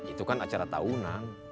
itu kan acara tahunan